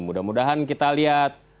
mudah mudahan kita lihat